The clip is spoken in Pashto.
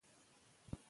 فعل د جملې منطق ټاکي.